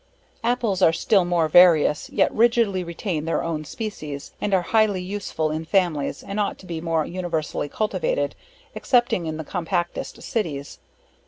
Apples, are still more various, yet rigidly retain their own species, and are highly useful in families, and ought to be more universally cultivated, excepting in the compactest cities.